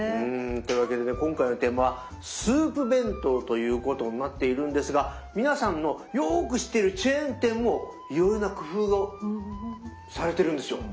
というわけでね今回のテーマは「スープ弁当」ということになっているんですが皆さんのよく知ってるチェーン店もいろいろな工夫をされてるんですよ。